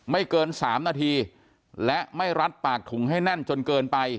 ไม่เกินสามนาทีและไม่รัดปากถุงให้แน่นจนเกินไป